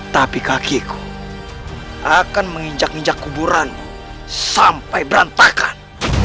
tapi kakiku akan menginjak ninjak kuburan sampai berantakan